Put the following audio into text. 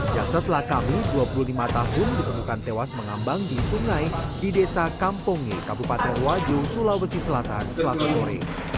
jasad lakawi dua puluh lima tahun ditemukan tewas mengambang di sungai di desa kampungge kabupaten wajo sulawesi selatan selasa sore